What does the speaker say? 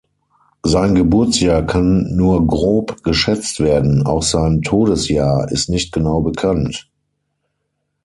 Sein Geburtsjahr kann nur grob geschätzt werden; auch sein Todesjahr ist nicht genau bekannt.